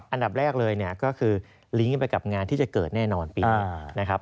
อันดับแรกเลยเนี่ยก็คือลิงก์ไปกับงานที่จะเกิดแน่นอนปีนี้นะครับ